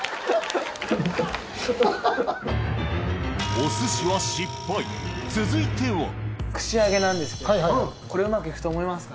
お寿司は続いては串揚げなんですけどこれうまく行くと思いますか？